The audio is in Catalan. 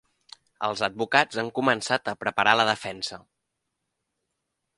Els advocats han començat a preparar la defensa.